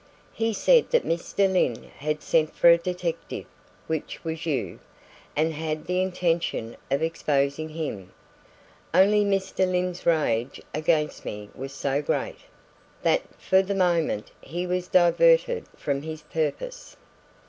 He said that Mr. Lyne had sent for a detective (which was you), and had the intention of exposing him, only Mr. Lyne's rage against me was so great, that for the moment he was diverted from his purpose.